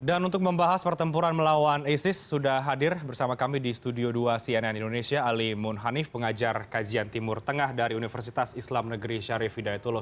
dan untuk membahas pertempuran melawan isis sudah hadir bersama kami di studio dua cnn indonesia ali munhanif pengajar kajian timur tengah dari universitas islam negeri syarif hidayatullah